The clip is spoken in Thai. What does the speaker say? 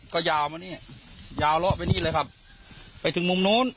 ก็ยาวมานี่ยาวเลาะไปนี่เลยครับไปถึงมุมนู้น